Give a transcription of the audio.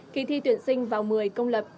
khi thi tuyển sinh vào một mươi công lạc